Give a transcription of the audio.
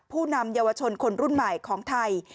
ผู้นำเยาวชนคนรุ่นใหม่ของไทย